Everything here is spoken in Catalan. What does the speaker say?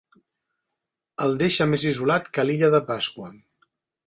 El deixa més isolat que l'illa de Pasqua.